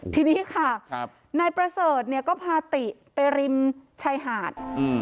ทีนี้ค่ะนายประเสริฐเนี่ยก็พาติไปริมชายหาด